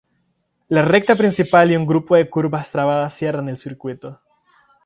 La recta principal y un grupo de curvas trabadas cierran el circuito.